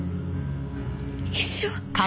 一生。